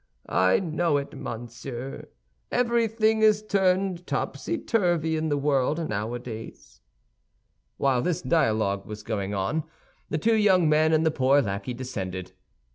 "I know it, monsieur; everything is turned topsy turvy in the world nowadays." While this dialogue was going on, the two young men and the poor lackey descended.